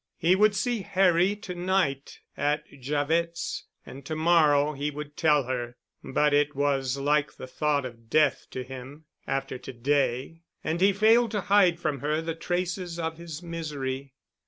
He would see Harry to night at Javet's and to morrow he would tell her, but it was like the thought of death to him—after to day—and he failed to hide from her the traces of his misery.